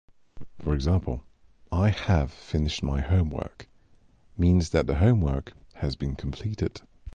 For example, "I have finished my homework" means that the homework has been completed.